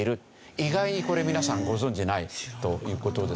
意外にこれ皆さんご存じないという事ですよね。